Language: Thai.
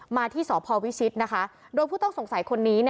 มาที่สพวิชิตนะคะโดยผู้ต้องสงสัยคนนี้